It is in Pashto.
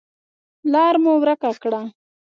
لار مو ورکه کړه .